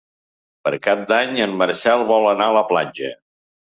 Per Cap d'Any en Marcel vol anar a la platja.